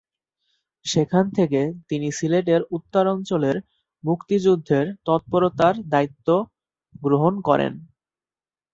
সেখান থেকে তিনি সিলেটের উত্তরাঞ্চলের মুক্তিযুদ্ধের তৎপরতার দায়িত্ব গ্রহণ করেন।